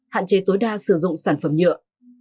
hạn chế tối đa sử dụng sản phẩm nhựa